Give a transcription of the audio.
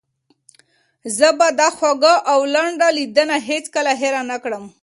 زه به دا خوږه او لنډه لیدنه هیڅکله هېره نه کړم.